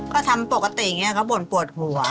ก็ทำปกติอย่างนี้เขาบ่นปวดหัว